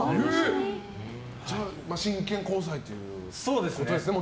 真剣交際ということですね。